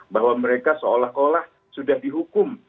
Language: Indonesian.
bahwa mereka seolah olah sudah dihukum